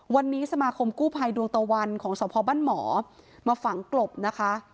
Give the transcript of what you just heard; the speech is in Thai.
วันนี้สมาคมกู้ภัยดวงตะวันของสพบ้านหมอมาฝังกลบนะคะ